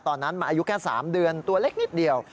ตอนนั้นมาอายุแค่๓เดือนตัวเล็กนิดเดียว